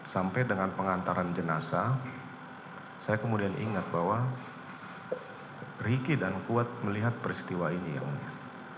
sampai dengan pengantaran jenazah saya kemudian ingat bahwa ricky dan kuat melihat peristiwa ini yang mulia